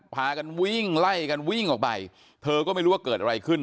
พากันวิ่งไล่กันวิ่งออกไปเธอก็ไม่รู้ว่าเกิดอะไรขึ้น